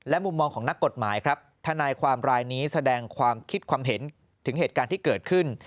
มุมมองของนักกฎหมายครับทนายความรายนี้แสดงความคิดความเห็นถึงเหตุการณ์ที่เกิดขึ้น